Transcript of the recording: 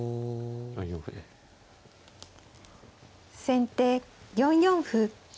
先手４四歩。